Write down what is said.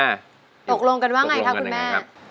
ตกลงกันว่าไงคะคุณแม่